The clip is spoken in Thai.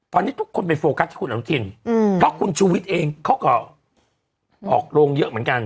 ตอนนี้ทุกคนไปโฟกัสที่คุณอนุทินเพราะคุณชูวิทย์เองเขาก็ออกโรงเยอะเหมือนกัน